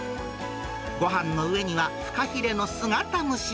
ごはんの上には、フカヒレの姿蒸し。